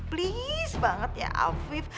please banget ya afif